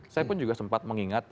saya pun juga sempat mengingat